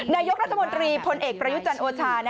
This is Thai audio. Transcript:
นายกรัฐมนตรีพลเอกประยุจันทร์โอชา